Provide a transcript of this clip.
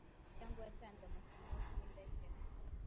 cyangwa yatanze amasomo yo kuba indakemwa?